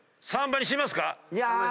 ３倍にしますか？